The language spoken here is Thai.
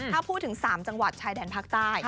ถ้าพูดถึง๓จังหวัดชายแดนภาคใต้